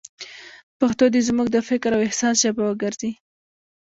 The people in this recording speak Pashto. پښتو دې زموږ د فکر او احساس ژبه وګرځي.